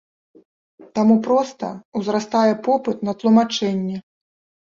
Таму проста ўзрастае попыт на тлумачэнні.